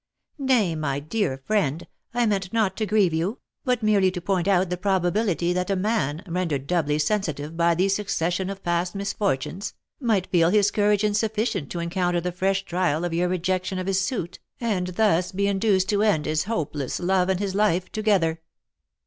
"Nay, my dear friend, I meant not to grieve you, but merely to point out the probability that a man, rendered doubly sensitive by the succession of past misfortunes, might feel his courage insufficient to encounter the fresh trial of your rejection of his suit, and thus be induced to end his hopeless love and his life together."